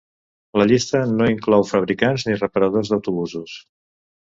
La llista no inclou fabricants ni reparadors d'autobusos.